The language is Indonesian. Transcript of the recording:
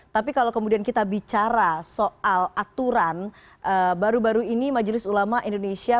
tapi kalau kemudian kita bicara soal aturan baru baru ini majelis ulama indonesia